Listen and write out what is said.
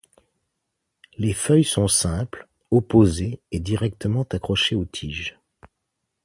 Les feuilles sont simples, opposées et directement accrochées aux tiges.